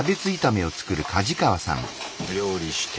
料理して。